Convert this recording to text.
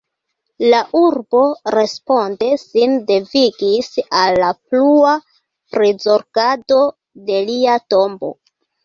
La urbo responde sin devigis al la plua prizorgado de lia tombo.